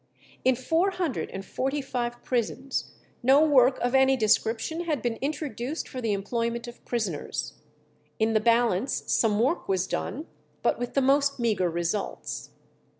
In four hundred and forty five prisons no work of any description had been introduced for the employment of prisoners; in the balance some work was done, but with the most meagre results.